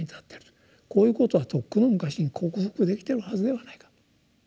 こういうことはとっくの昔に克服できてるはずではないかと。